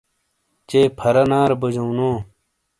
چے پھُرا نارے بجَوں نو۔